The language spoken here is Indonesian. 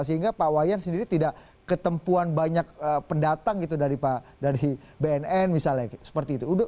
sehingga pak wayan sendiri tidak ketempuhan banyak pendatang gitu dari bnn misalnya seperti itu